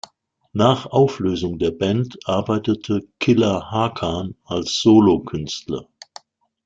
Nach Auflösung der Band arbeitete Killa Hakan als Solokünstler.